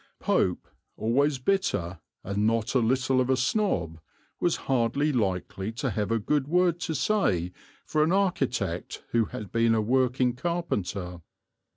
Pope, always bitter and not a little of a snob, was hardly likely to have a good word to say for an architect who had been a working carpenter.